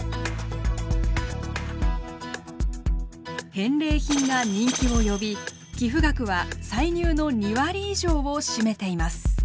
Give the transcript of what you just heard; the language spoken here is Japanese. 返礼品が人気を呼び寄付額は歳入の２割以上を占めています。